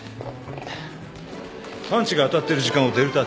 パンチが当たってる時間をデルタＴ。